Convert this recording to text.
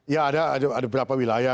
ya ada berapa wilayah